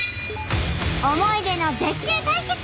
思い出の絶景対決！